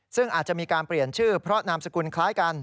ซึ่งอาจจะมีการเปลี่ยนชื่อเพราะนามสกุลคล้ายกัน